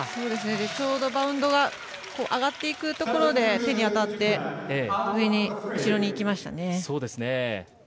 ちょうどバウンドが上がっていくところで手に当たって上に後ろにいきましたね。